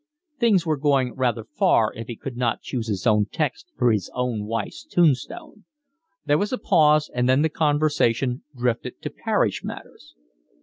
Things were going rather far if he could not choose his own text for his own wife's tombstone. There was a pause, and then the conversation drifted to parish matters.